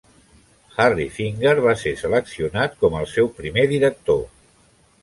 "Harry" Finger va ser seleccionat com al seu primer director.